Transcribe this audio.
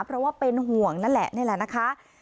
เพราะว่าเป็นห่วงนั่นแหละนี่แหละนะคะ